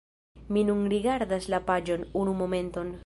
Mi nun rigardas la paĝon unu momenton